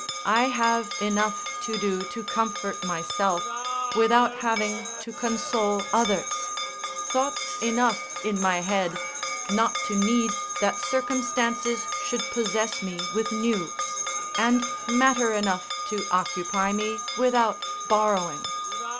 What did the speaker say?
I have enough to do to comfort myself, without having to console others; thoughts enough in my head, not to need that circumstances should possess me with new; and matter enough to occupy me without borrowing.